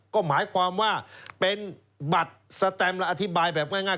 ก็หมายความว่าเป็นบัตรสแตมและอธิบายแบบง่าย